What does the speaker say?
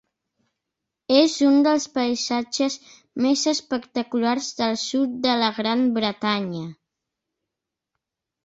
És un dels paisatges més espectaculars del sud de la Gran Bretanya.